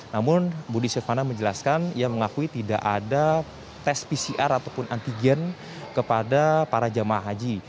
namun budi silvana menjelaskan ia mengakui tidak ada tes pcr ataupun antigen kepada para jemaah haji